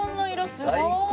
すごいね。